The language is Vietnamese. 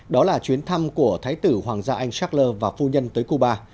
đó là chuyến thăm của thái tử hoàng gia anh charles và phu nhân tới cuba